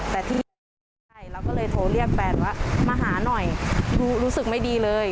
แต่ที่ไม่ใช่เราก็เลยโทรเรียกแฟนว่ามาหาหน่อยรู้สึกไม่ดีเลย